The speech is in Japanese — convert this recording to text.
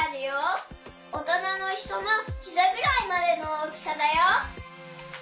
おとなのひとのひざぐらいまでの大きさだよ。